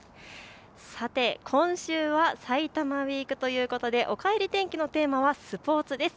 さて今週は埼玉ウイークということでおかえり天気のテーマはスポーツです。